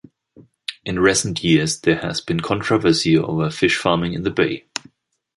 In recent years there has been controversy over fish-farming in the bay.